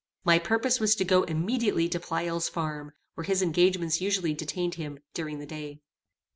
My purpose was to go immediately to Pleyel's farm, where his engagements usually detained him during the day.